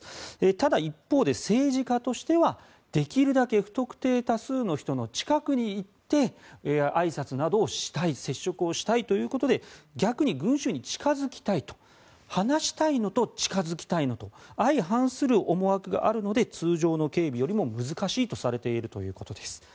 ただ、一方で政治家としてはできるだけ不特定多数の人の近くに行ってあいさつなどをしたい接触したいということで逆に群衆に近付きたい離したいのと近付きたいのと相反する思惑があるので通常の警備よりも難しいとされているということです。